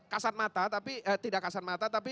kasat mata tapi tidak kasar mata tapi